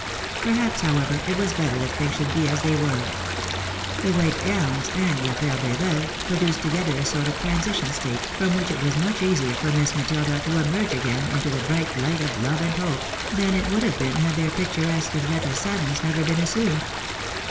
Perhaps, however, it was better that things should be as they were. The wliite gowns, and la flew des veuves, produced together a sort of transition state, from which it was much easier for Miss Matilda to emerge again into the bright light of love and hope, than it would have been had their picturesque and gentle sadness never been assumed.